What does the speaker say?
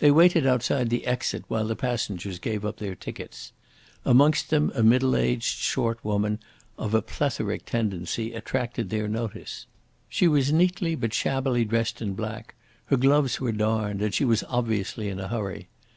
They waited outside the exit while the passengers gave up their tickets. Amongst them a middle aged, short woman, of a plethoric tendency, attracted their notice. She was neatly but shabbily dressed in black; her gloves were darned, and she was obviously in a hurry.